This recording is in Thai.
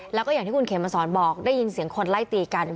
แล้วก็อย่างที่คุณเขมมาสอนบอกได้ยินเสียงคนไล่ตีกัน